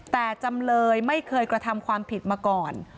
แต่จำเลยไม่เคยกระทำความผิดมาก่อน